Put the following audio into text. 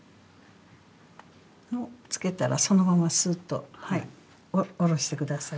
をつけたらそのまますっと下ろして下さい。